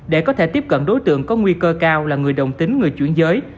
để có thể tiếp cận đối tượng có nguy cơ cao là người đồng tính người chuyển giới